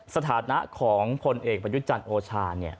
สถานะของคนเอกประยุจันทร์โอชาเนี่ย